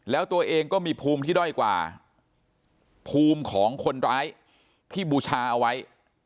แล้วตัวเองก็มีภูมิที่ด้อยกว่าภูมิของคนร้ายที่บูชาเอาไว้